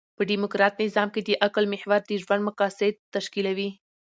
په ډيموکراټ نظام کښي د عقل محور د ژوند مقاصد تشکیلوي.